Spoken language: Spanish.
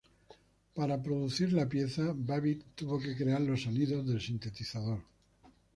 Para producir la pieza, Babbitt tuvo que crear los sonidos del sintetizador.